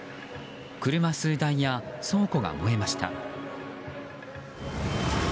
車数台や倉庫が燃えました。